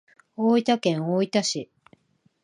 大分県大分市